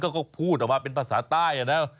เขาก็พูดออกมาเป็นภาษาใต้นะ